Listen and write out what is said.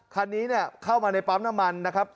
คันนี้เข้ามาในปั๊มน้ำมันนะครับ